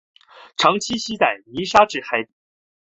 常栖息在泥沙质海底。